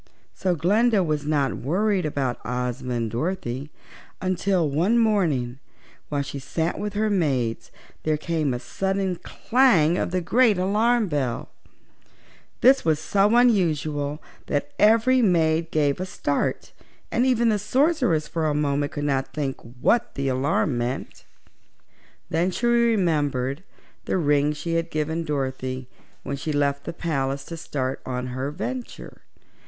So Glinda was not worried about Ozma and Dorothy until one morning, while she sat with her maids, there came a sudden clang of the great alarm bell. This was so unusual that every maid gave a start and even the Sorceress for a moment could not think what the alarm meant. Then she remembered the ring she had given Dorothy when she left the palace to start on her venture.